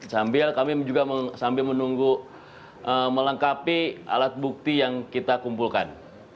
sambil kami juga sambil menunggu melengkapi alat bukti yang kita kumpulkan